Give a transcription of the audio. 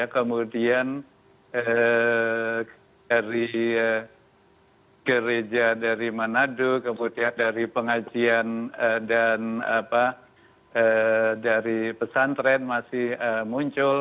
kemudian dari gereja dari manado kemudian dari pengajian dan dari pesantren masih muncul